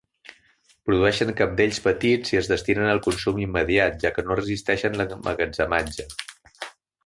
Produeixen cabdells petits i es destinen al consum immediat, ja que no resisteixen l'emmagatzematge.